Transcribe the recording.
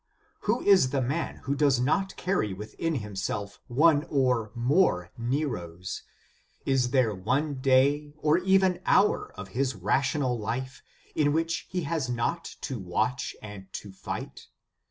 Who is the man who does not carry. within himself one or more Neros? Is there one day, or even hour, of his rational life, in which he has not to watch and to fight